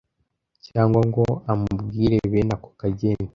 cyangwa ngo amubwire bene ako kageni